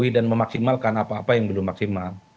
dan memaksimalkan apa apa yang belum maksimal